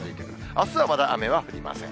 あすはまだ雨は降りません。